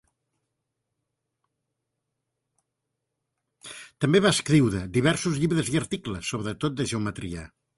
També va escriure diversos llibres i articles, sobretot de geometria.